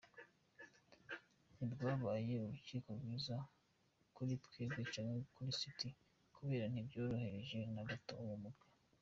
Ntirwabaye urukino rwiza kuri twebwe canke kuri City kubera ntitworohereje na gato uwo mugwi.